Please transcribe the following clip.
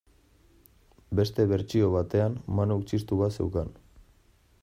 Beste bertsio batean, Manuk txistu bat zeukan.